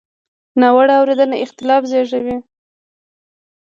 ناوړه اورېدنه اختلاف زېږوي.